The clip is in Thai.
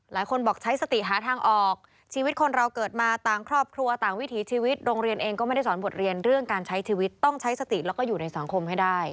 หลายคนบอกใช้สติหาทางออกชีวิตคนเราเกิดมาต่างครอบครัวต่างวิถีชีวิตโรงเรียนเองก็ไม่ได้สอนบทเรียนเรื่องการใช้ชีวิตต้องใช้สติแล้วก็อยู่ในสังคมให้ได้